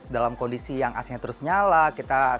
dalam kondisi yang ac nya terus nyala kita sudah menikmati udara segar